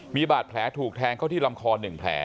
มีบาดแผลถูกแทงเข้าที่ลำคอ๑แผล